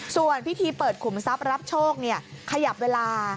ส่วนพิธีเปิดขุมทรัพย์รับโชคขยับเวลา